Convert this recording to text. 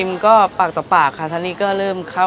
มีวันหยุดเอ่ออาทิตย์ที่สองของเดือนค่ะ